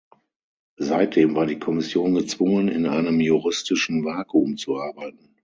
Seitdem war die Kommission gezwungen, in einem juristischen Vakuum zu arbeiten.